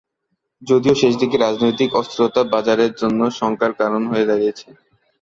যদিও শেষ দিকে রাজনৈতিক অস্থিরতা বাজারের জন্য শঙ্কার কারণ হয়ে দাঁড়িয়েছে।